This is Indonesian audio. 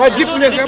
pak jip punya siapa